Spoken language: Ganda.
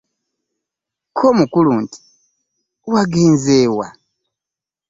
Ko omukulu nti "Wagenze wa?